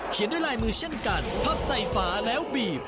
ด้วยลายมือเช่นกันพับใส่ฝาแล้วบีบ